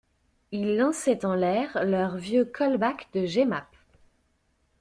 Ils lançaient en l'air leurs vieux colbacks de Jemapes.